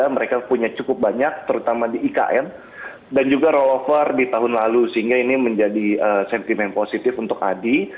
mereka punya cukup banyak terutama di ikn dan juga rollover di tahun lalu sehingga ini menjadi sentimen positif untuk adi